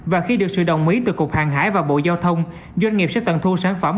và khi được sự đồng ý từ cục hàng hải và bộ giao thông doanh nghiệp sẽ tận thu sản phẩm